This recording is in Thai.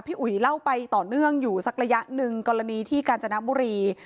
อุ๋ยเล่าไปต่อเนื่องอยู่สักระยะหนึ่งกรณีที่กาญจนบุรี